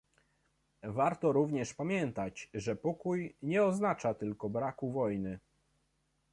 Warto również pamiętać, że pokój nie oznacza tylko braku wojny